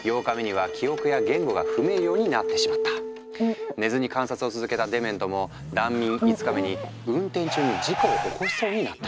すると寝ずに観察を続けたデメントも断眠５日目に運転中に事故を起こしそうになった。